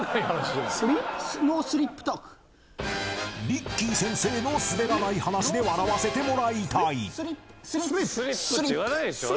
［リッキー先生のすべらない話で笑わせてもらいたい］